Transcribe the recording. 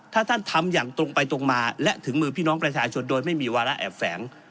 ถ้าท่านทำอย่างตรงไปตรงมาและถึงมือพี่น้องประชาชนโดยไม่มีวาระแอบแฝง